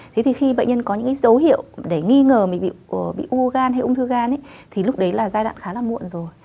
thế thì khi bệnh nhân có những cái dấu hiệu để nghi ngờ mình bị u gan hay ung thư gan thì lúc đấy là giai đoạn khá là muộn rồi